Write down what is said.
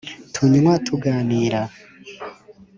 Tunywa tuganira